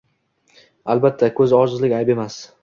Albatta, ko’zi ojizlik ayb emas…